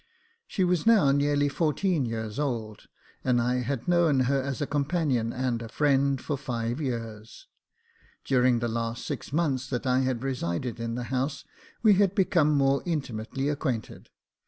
She was now nearly fourteen years old, and I had known her as a companion and a friend for five years. During the last six months that I had resided in the house, we had become more intimately acquainted.